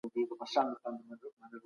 کوربه هیواد بهرنی پور نه اخلي.